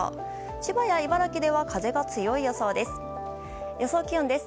千葉や茨城では風が強い予想です。